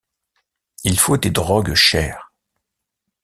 Il faut des drogues chères.